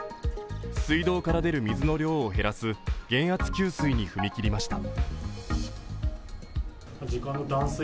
水道から出る水の量を減らす減圧給水に踏み切りました。